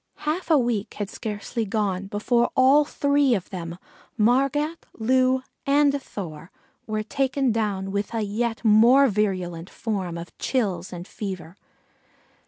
Half a week had scarcely gone before all three of them, Margat, Loo, and Thor, were taken down with a yet more virulent form of chills and fever.